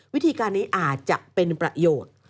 วิธีการนี้อาจจะเป็นประโยชน์